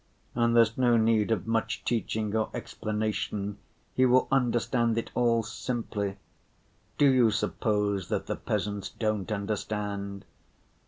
And there's no need of much teaching or explanation, he will understand it all simply. Do you suppose that the peasants don't understand?